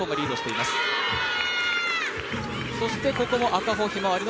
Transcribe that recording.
赤穂ひまわり。